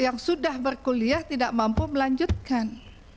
yang sudah berkuliah tidak mampu melanjutkan